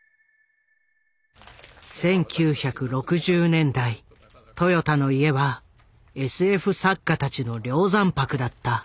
１９６０年代豊田の家はＳＦ作家たちの梁山泊だった。